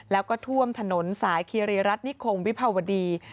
แล้วก็ท่วมถนนสายคีรีรัฐนิคมวิภาวดี